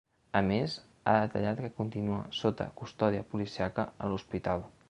A més, ha detallat que continua sota custòdia policíaca a l’hospital.